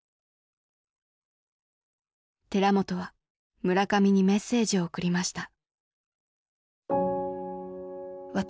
寺本は村上にメッセージを送りました。